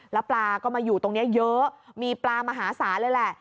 แล้วปลาก็มาอยู่ตรงนี้เยอะมีปลามหาศาลเลยแหละ